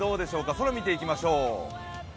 空を見ていきましょう。